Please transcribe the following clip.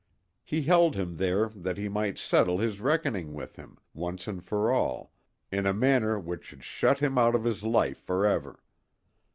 He held him there that he might settle his reckoning with him, once and for all, in a manner which should shut him out of his life forever.